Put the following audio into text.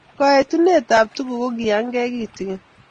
Kaitunetap tuguk ko kaiengei kitigin